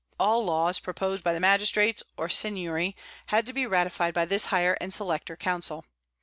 All laws proposed by the magistrates, or seigniory, had to be ratified by this higher and selecter council.